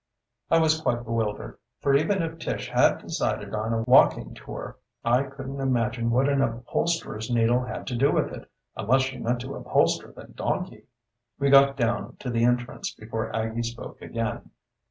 I was quite bewildered. For even if Tish had decided on a walking tour I couldn't imagine what an upholsterer's needle had to do with it, unless she meant to upholster the donkey. We got down to the entrance before Aggie spoke again.